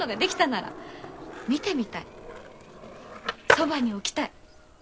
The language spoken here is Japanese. そばに置きたい。